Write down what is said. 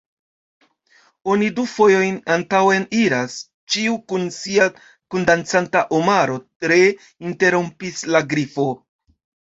"Oni du fojojn antaŭen iras, ĉiu kun sia kundancanta omaro," ree interrompis la Grifo.